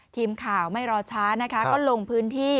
ทีมข่าวไม่รอช้านะคะก็ลงพื้นที่